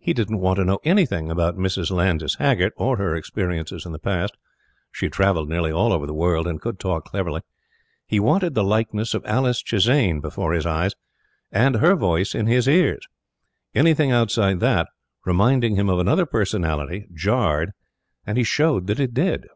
He didn't want to know anything about Mrs. Landys Haggert, or her experiences in the past she had travelled nearly all over the world, and could talk cleverly he wanted the likeness of Alice Chisane before his eyes and her voice in his ears. Anything outside that, reminding him of another personality jarred, and he showed that it did.